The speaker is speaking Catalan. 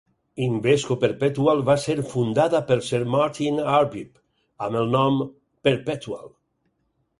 Invesco Perpetual va ser fundada per Sir Martyn Arbib amb el nom "Perpetual".